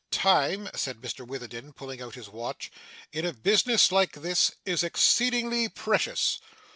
Time,' said Mr Witherden, pulling out his watch, 'in a business like this, is exceedingly precious.